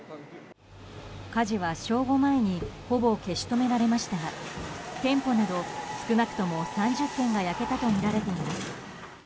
火事は正午前にほぼ消し止められましたが店舗など、少なくとも３０軒が焼けたとみられています。